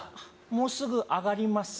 もうすぐあがります